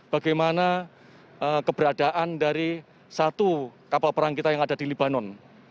bagaimana keberadaan dari satu kapal perang kita yang ada di libanon